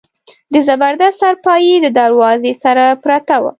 د زبردست څارپايي د دروازې سره پرته وه.